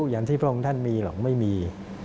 อย่างที่พระองค์ท่านมีหรอกไม่มี